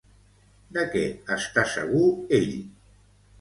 De què està segur ell?